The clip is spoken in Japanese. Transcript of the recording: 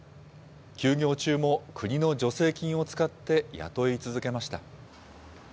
休業中も国の助成金を使って雇い続けました。